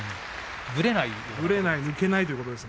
抜けないということですか。